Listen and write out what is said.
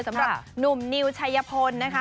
สำหรับหนุ่มนิวชัยพลนะคะ